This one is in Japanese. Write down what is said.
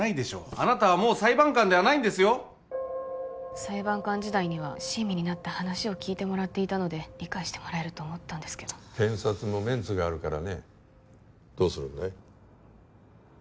あなたはもう裁判官ではないんだ裁判官時代には親身になって話を聞いてもらっていたので理解してもらえると思ったんですけど検察もメンツがあるからねどうするんだい？